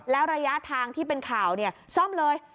แล้วระยะทางที่เป็นข่าวซ่อมเลย